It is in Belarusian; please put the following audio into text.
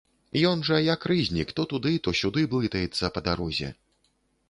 Ён жа, як рызнік, то туды, то сюды блытаецца па дарозе.